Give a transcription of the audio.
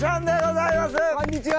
こんにちは！